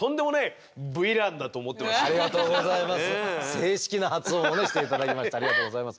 正式な発音をねして頂きましてありがとうございます。